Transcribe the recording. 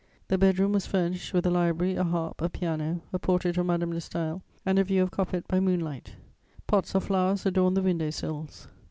The bed room was furnished with a library, a harp, a piano, a portrait of Madame de Staël and a view of Coppet by moonlight; pots of flowers adorned the window sills.